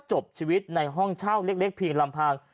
จบชีวิตในห้องเช่าเล็กเพียงลำพัง